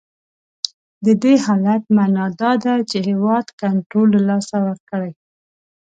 د دې حالت معنا دا ده چې هیواد کنټرول له لاسه ورکړی.